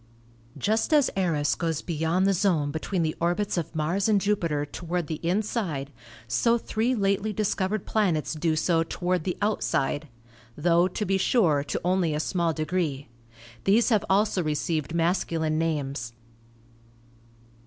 Just as Eros goes beyond the zone between the orbits of Mars and Jupiter toward the inside, so three lately dis covered planets do so toward the outside; tho, to be sure, to only a small degree. These have also received mas culine names.